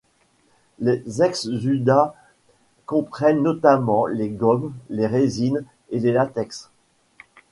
Les exsudats comprennent notamment les gommes, les résines et les latex.